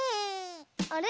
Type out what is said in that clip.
あれ？